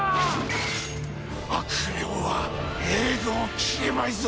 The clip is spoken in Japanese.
悪名は永劫消えまいぞ。